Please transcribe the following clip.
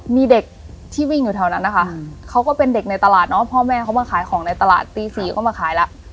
มีเด็กที่วิ่งอยู่แถวนั้นนะคะเขาก็เป็นเด็กในตลาดเนาะพ่อแม่เขามาขายของในตลาดตี๔ก็มาขายแล้ว